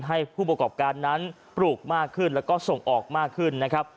ให้ผู้ประกอบการนั้นปลูกมากขึ้นแล้วก็ส่งออกมากขึ้นนะครับ